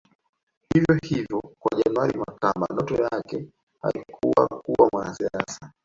Hivyo hivyo kwa January Makamba ndoto yake haikuwa kuwa mwanasiasa